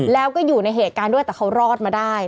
แล้วก็อยู่ในเหตุการณ์ด้วยแต่เขารอดมาได้